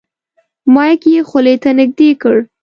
مایک یې خولې ته نږدې کړ.